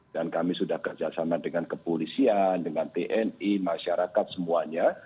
dan kami sudah kerjasama dengan kepolisian dengan tni masyarakat semuanya